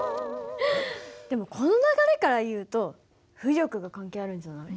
でもこの流れからいうと浮力が関係あるんじゃない？